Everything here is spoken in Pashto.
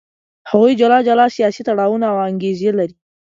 هغوی جلا جلا سیاسي تړاوونه او انګېزې لري.